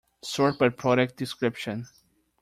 Sort by product description.